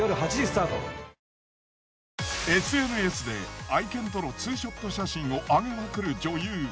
ＳＮＳで愛犬との２ショット写真をあげまくる女優